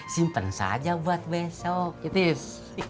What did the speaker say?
simpen saja buat besok ya tis